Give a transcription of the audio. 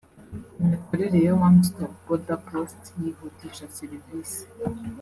Imikorere ya One Stop Border Post yihutisha serivise